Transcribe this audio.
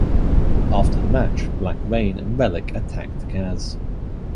After the match, Black Reign and Rellik attacked Kaz.